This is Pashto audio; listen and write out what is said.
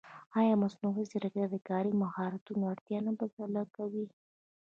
ایا مصنوعي ځیرکتیا د کاري مهارتونو اړتیا نه بدله کوي؟